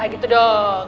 ya gitu dong